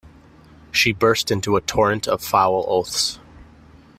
She burst into a torrent of foul oaths.